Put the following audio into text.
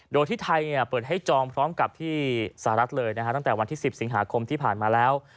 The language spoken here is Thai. โดยที่ไทยเปิดให้จองพร้อมกับที่สหรัฐเลยตั้งแต่วันที่๑๐สิงหาคมที่ผ่านมาแล้ว